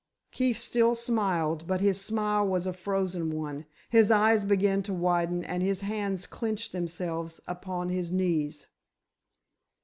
Keefe still smiled, but his smile was a frozen one. His eyes began to widen and his hands clenched themselves upon his knees.